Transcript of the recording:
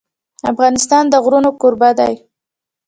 افغانستان د غرونه کوربه دی.